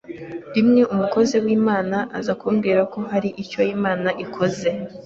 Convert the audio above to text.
rimwe umukoze w’Imana aza kumbwira ko hari icyo Imana ikoze